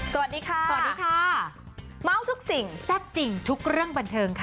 สวัสดีค่ะสวัสดีค่ะเมาส์ทุกสิ่งแซ่บจริงทุกเรื่องบันเทิงค่ะ